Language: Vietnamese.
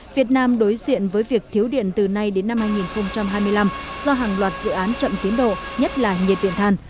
việt nam đối diện với việc thiếu điện từ nay đến năm hai nghìn hai mươi năm do hàng loạt dự án chậm tiến độ nhất là nhiệt điện than